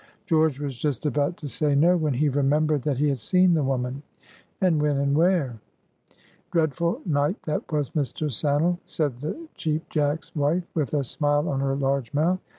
George was just about to say no, when he remembered that he had seen the woman, and when and where. "Dreadful night that was, Mr. Sannel!" said the Cheap Jack's wife, with a smile on her large mouth.